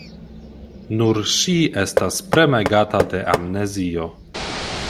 Nur ŝi estas premegata de amnezio.